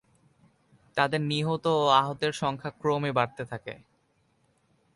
তাদের নিহত ও আহতের সংখ্যা ক্রমে বাড়তে থাকে।